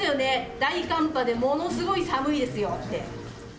大寒波でものすごい寒いですよって。